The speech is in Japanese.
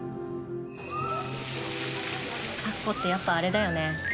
咲子ってやっぱあれだよね。